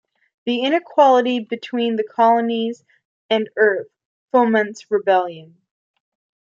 The inequality between the colonies and Earth foments rebellion.